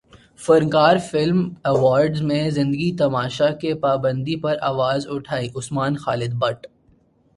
فنکار film award میں زندگی تماشا کی پابندی پر اواز اٹھائیں عثمان خالد بٹ